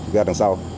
ra đằng sau